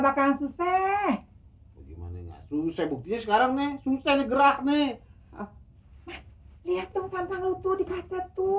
bakal susah gimana susah bukti sekarang nih susah gerak nih lihat dong tampang lu tuh dikasih tuh